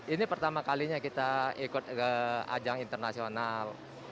ini pertama kalinya kita ikut ke ajang internasional